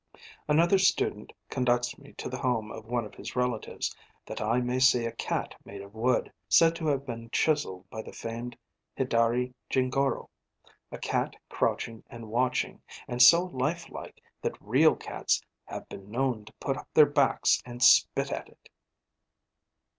Another student conducts me to the home of one of his relatives, that I may see a cat made of wood, said to have been chiselled by the famed Hidari Jingoro a cat crouching and watching, and so life like that real cats 'have been known to put up their backs and spit at it.'